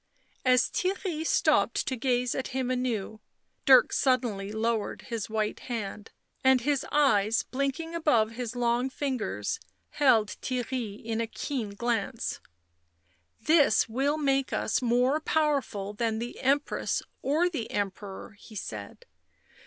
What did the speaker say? As Theirry stopped to gaze at him anew, Dirk suddenly lowered his white hand, and his eyes, blinking above his long fingers, held Theirry in a keen glance. " This will make us more powerful than the Empress or the Emperor," he said.